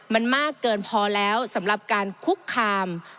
มันมากเกินพอแล้วสำหรับการคุกคาม